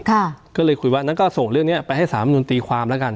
ก็เลยคุยว่างั้นก็ส่งเรื่องเนี้ยไปให้สามนุนตีความแล้วกัน